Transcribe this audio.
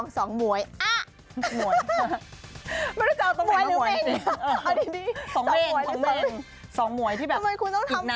สวัสดีค่ะสวัสดีค่ะ